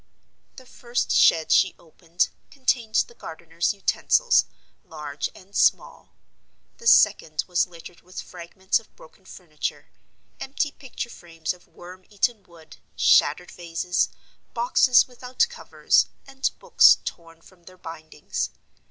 The first shed she opened contained the gardener's utensils, large and small. The second was littered with fragments of broken furniture, empty picture frames of worm eaten wood, shattered vases, boxes without covers, and books torn from their bindings.